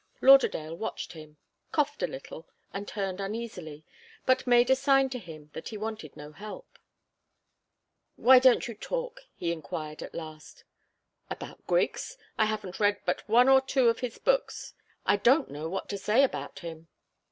Lauderdale watched him, coughed a little and turned uneasily, but made a sign to him that he wanted no help. "Why don't you talk?" he enquired, at last. "About Griggs? I haven't read but one or two of his books. I don't know what to say about him."